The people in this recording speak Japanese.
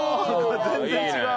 全然違う。